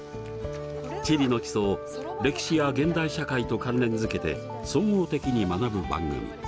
地理の基礎を歴史や現代社会と関連づけて総合的に学ぶ番組。